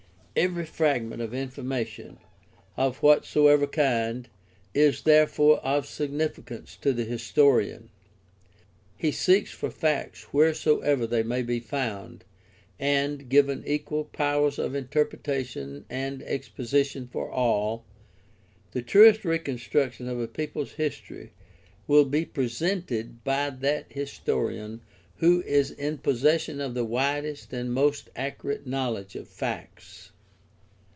Every fragment of information, of what soever kind, is therefore of significance to the historian. He seeks for facts wheresoever they may be found, and, given equal powers of interpretation and exposition for all, the truest reconstruction of a people's history will be. presented by that historian who is in possession of the widest and most accurate knowledge of facts.